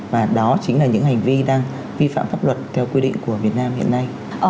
và đó chính là những hành vi đang vi phạm pháp luật theo quy định của việt nam hiện nay